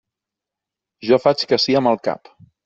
Jo faig que sí amb el cap.